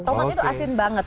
tomat itu asin banget